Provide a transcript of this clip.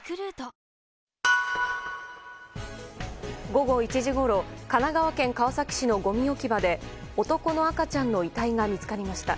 午後１時ごろ神奈川県川崎市のごみ置き場で男の赤ちゃんの遺体が見つかりました。